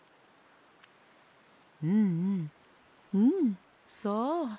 うんうんうんそう。